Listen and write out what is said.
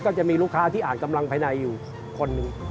จะมีลูกค้าที่อ่านกำลังภายในอยู่คนหนึ่ง